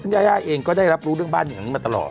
ซึ่งยาย่าเองก็ได้รับรู้เรื่องบ้านอย่างนี้มาตลอด